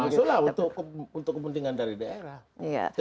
ya masuklah untuk kepentingan dari daerah